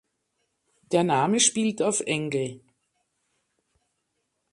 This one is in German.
Der Name spielt auf engl.